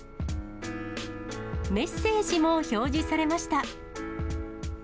メッセージも表示されました。